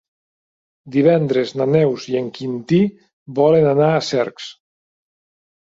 Divendres na Neus i en Quintí volen anar a Cercs.